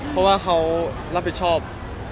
เพราะว่าเขารับผิดชอบ